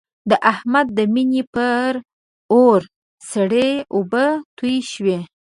د احمد د مینې پر اور سړې اوبه توی شوې.